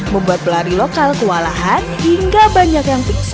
membuat pelari lokal kewalahan hingga banyak yang pingsan